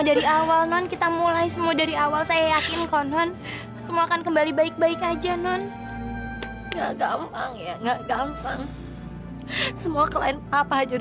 masa aku yang orang mampu aku diem aja